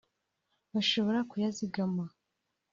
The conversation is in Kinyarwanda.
bashobora kuyazigama